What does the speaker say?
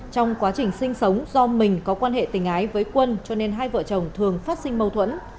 trong quá trình sinh sống do mình có quan hệ tình ái với quân cho nên hai vợ chồng thường phát sinh mâu thuẫn